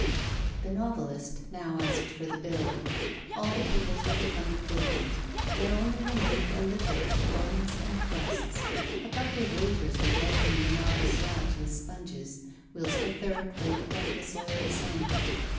The novelist now asked for the bill. All the tables were becoming vacant; there only remained a litter of bones and crusts. A couple of waiters were wiping the marble slabs with sponges, whilst a third raked up the soiled sand.